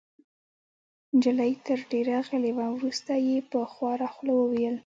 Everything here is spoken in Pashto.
نجلۍ تر دېره غلې وه. وروسته يې په خواره خوله وویل: